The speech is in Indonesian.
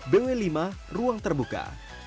bw lima ruang terbuka